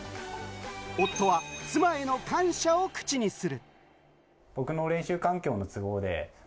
夫は妻への感謝を口にする。